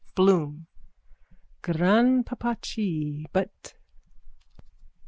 BLOOM: Granpapachi. But...